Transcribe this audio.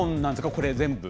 これ、全部。